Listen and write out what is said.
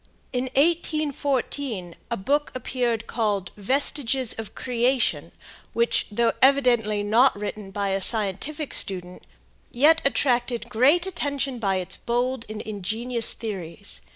In 1844 a book appeared called "Vestiges of Creation," which, though evidently not written by a scientific student, yet attracted great attention by its bold and ingenious theories.